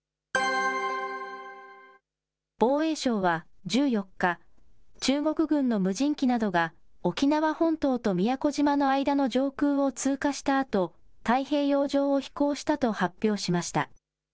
防衛省は１４日、中国軍の無人機などが沖縄本島と宮古島の間の上空を通過したあと、太平洋上を飛行したと発表しました。